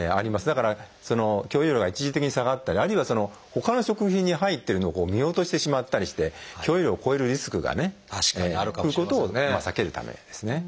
だから許容量が一時的に下がったりあるいはほかの食品に入ってるのを見落としてしまったりして許容量を超えるリスクがねということを避けるためですね。